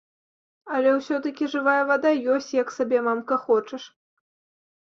Але ўсё-такі жывая вада ёсць, як сабе, мамка, хочаш!